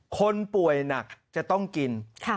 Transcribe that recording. คนป่วยหนักจะต้องกิน